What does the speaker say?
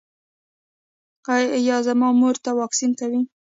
ایا زما مور ته واکسین کوئ؟